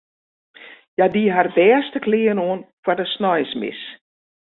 Hja die har bêste klean oan foar de sneinsmis.